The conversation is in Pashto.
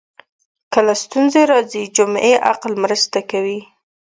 کله ستونزې راځي جمعي عقل مرسته کوي